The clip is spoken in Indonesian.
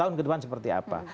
tahun ke depan seperti apa